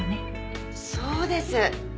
そうです。